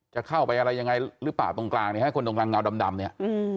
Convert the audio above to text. จะเข้าไปอะไรยังไงหรือเปล่าตรงกลางเนี่ยฮะคนตรงกลางเงาดำเนี่ยอืม